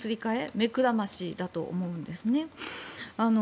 目くらましだと思うんですね。